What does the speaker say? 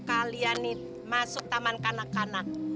kalian masuk taman kanak kanak